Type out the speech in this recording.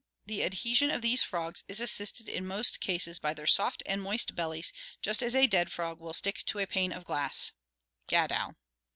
The adhesion of these frogs is assisted in most cases by their soft and moist bellies, just as a dead frog will stick to a pane of glass" (Gadow).